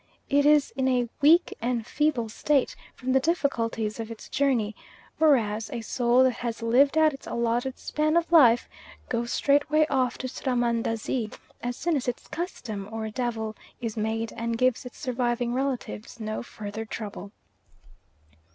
it is in a weak and feeble state from the difficulties of its journey, whereas a soul that has lived out its allotted span of life goes straightway off to Srahmandazi as soon as its "custom" or "devil" is made and gives its surviving relatives no further trouble.